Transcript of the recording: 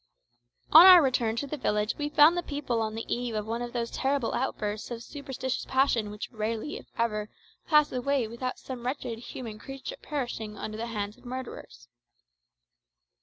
On our return to the village we found the people on the eve of one of those terrible outbursts of superstitious passion which rarely if ever pass away without some wretched human creature perishing under the hands of murderers.